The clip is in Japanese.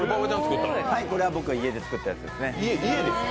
これは僕が家で作ったやつですね。